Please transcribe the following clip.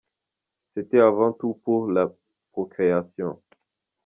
C’etait avant tout pour la “procréation”.